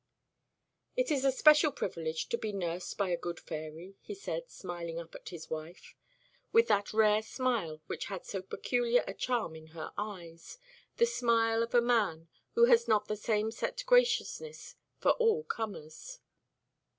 "It is a special privilege to be nursed by a good fairy," he said, smiling up at his wife, with that rare smile which had so peculiar a charm in her eyes the smile of a man who has not the same set graciousness for all comers.